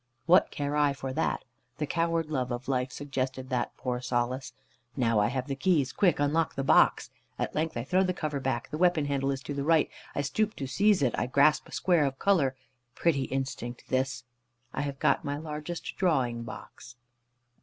What care I for that? The coward love of life suggested that poor solace. Now I have the keys. Quick unlock the box. At length I throw the cover back. The weapon handle is to the right. I stoop to seize it. I grasp a square of colour. Pretty instinct this! I have got my largest drawing box.